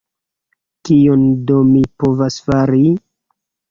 Kion do mi povas fari?